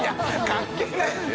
関係ないですよ。